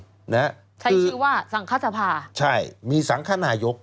ใช้ชื่อว่าสังฆสภาใช่มีสังคนายก